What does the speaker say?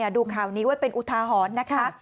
ดูข่าวนี้ว่าเป็นอุทาฮอตนะคะ